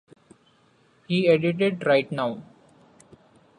He edited Write Now!